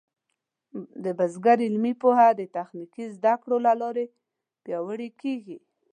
د بزګر علمي پوهه د تخنیکي زده کړو له لارې پیاوړې کېږي.